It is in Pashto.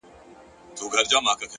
پرمختګ د دوامداره زده کړې محصول دی؛